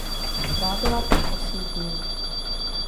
Strávila tam osm dní.